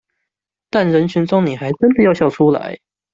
但人群中你還真的要笑出來